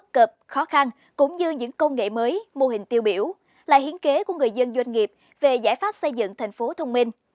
khó khăn cũng như những công nghệ mới mô hình tiêu biểu là hiến kế của người dân doanh nghiệp về giải pháp xây dựng thành phố thông minh